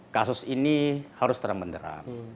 kasus ini harus terang benderang